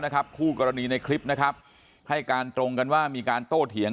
คู่กรณีในคลิปนะครับให้การตรงกันว่ามีการโต้เถียง